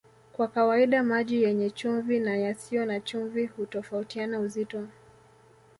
Kwa kawaida maji yenye chumvi na yasiyo na chumvi hutofautiana uzito